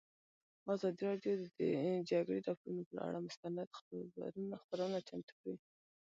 ازادي راډیو د د جګړې راپورونه پر اړه مستند خپرونه چمتو کړې.